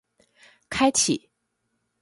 開啟